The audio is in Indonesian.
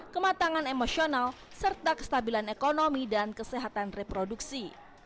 kematangan emosional serta kestabilan ekonomi dan kesehatan reproduksi